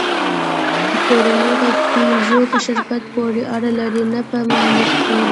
پورونو د پيژو په شرکت پورې اړه لرله، نه په مالک پورې.